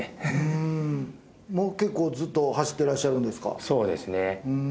もう結構ずっと走ってらっしゃるんですか？